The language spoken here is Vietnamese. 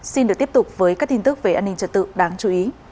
xin được tiếp tục với các tin tức về an ninh trật tự đáng chú ý